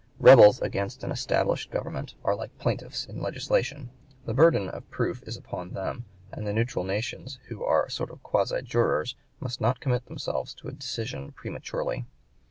Rebels against an established government are like plaintiffs in litigation; the burden of proof is upon them, and the neutral nations who are a sort of quasi jurors must not commit themselves to a decision prematurely.